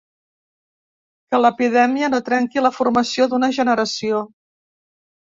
Que l’epidèmia no trenqui la formació d’una generació.